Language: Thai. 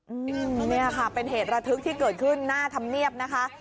อืมเนี่ยค่ะเป็นเหตุระทึกที่เกิดขึ้นหน้าธรรมเนียบนะคะ